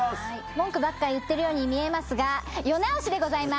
文句ばっか言ってるように見えますが世直しでございます。